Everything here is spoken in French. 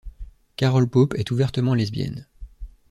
Carole Pope est ouvertement lesbienne.